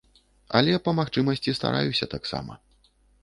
Але па магчымасці стараюся таксама.